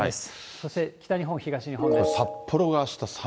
そして北日本、東日本です。